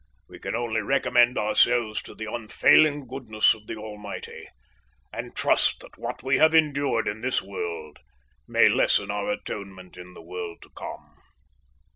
We can only recommend ourselves to the unfailing goodness of the Almighty, and trust that what we have endured in this world may lessen our atonement in the world to come.